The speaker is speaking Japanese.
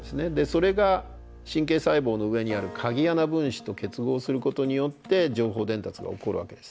それが神経細胞の上にある鍵穴分子と結合することによって情報伝達が起こるわけです。